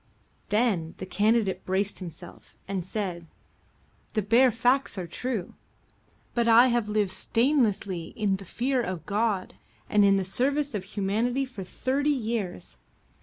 Then the candidate braced himself and said: "The bare facts are true. But I have lived stainlessly in the fear of God and in the service of humanity for thirty years.